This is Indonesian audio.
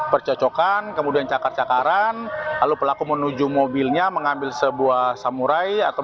percocokan kemudian cakar cakaran lalu pelaku menuju mobilnya mengambil sebuah samurai atau